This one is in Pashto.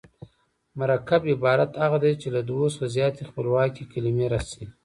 مرکب عبارت هغه دﺉ، چي له دوو څخه زیاتي خپلواکي کلیمې راسي.